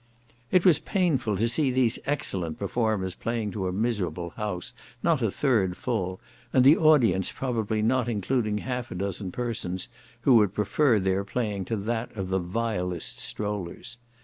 It was painful to see these excellent performers playing to a miserable house, not a third full, and the audience probably not including half a dozen persons who would prefer their playing to that of the vilest strollers.